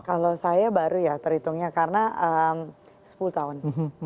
kalau saya baru ya terhitungnya karena sepuluh tahun